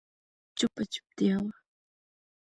چوپه چوپتیا وه.